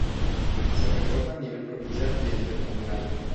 Se reforma el nivel provincial y el nivel comunal.